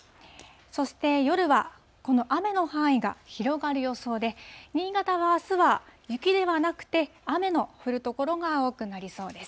そして夜は、この雨の範囲が広がる予想で、新潟はあすは雪ではなくて、雨の降る所が多くなりそうです。